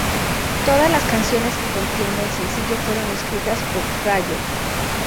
Todas las canciones que contiene el sencillo fueron escritas por Ryo.